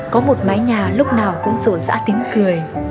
có một mái nhà lúc nào cũng rộn rã tiếng cười